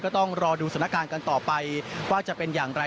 ต้องรอดูสถานการณ์กันต่อไปว่าจะเป็นอย่างไร